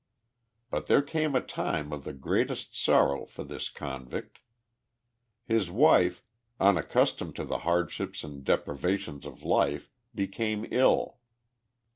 But there came a time of the greatest sorrow for this convict. His wife, unaccustomed to the hardships and deprivations of life, became ill.